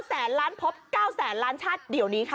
แสนล้านพบ๙แสนล้านชาติเดี๋ยวนี้ค่ะ